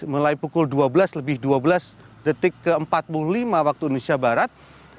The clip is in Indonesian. mulai pukul dua belas lebih dua belas detik ke empat puluh lima waktu indonesia barat